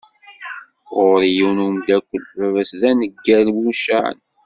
Ɣur-i yiwen umdakel baba-s d aneggal mucaεen.